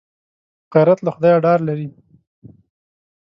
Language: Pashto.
غیرت له خدایه ډار لري